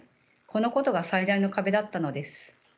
このことが最大の壁だったのです。